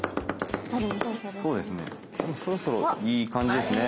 もうそろそろいい感じですね。